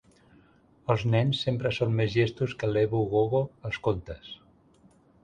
Els nens sempre són més llestos que l'Ebu Gogo als contes.